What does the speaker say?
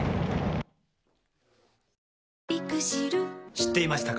知っていましたか？